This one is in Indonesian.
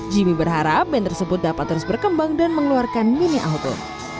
jimmy berharap band tersebut dapat terus berkembang dan mengeluarkan mini auto